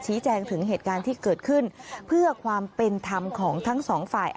แจ้งถึงเหตุการณ์ที่เกิดขึ้นเพื่อความเป็นธรรมของทั้งสองฝ่าย